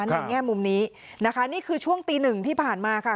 แง่มุมนี้นะคะนี่คือช่วงตีหนึ่งที่ผ่านมาค่ะ